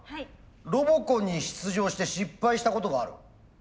ロボコンに出場して失敗したことがある？